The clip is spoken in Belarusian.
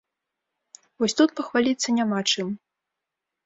Вось тут пахваліцца няма чым.